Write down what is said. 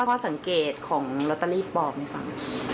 ข้อสังเกตของลอตเตอรี่บอกไหมคะ